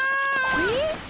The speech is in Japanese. えっ？